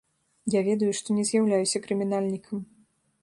Я ведаю, што не з'яўляюся крымінальнікам.